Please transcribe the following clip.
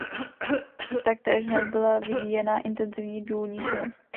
Taktéž hned byla vyvíjená intenzívní důlní činnost.